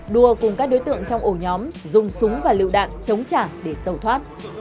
đua cùng các đối tượng trong ổ nhóm dùng súng và lựu đạn chống trả để tẩu thoát